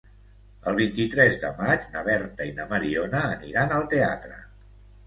El vint-i-tres de maig na Berta i na Mariona aniran al teatre.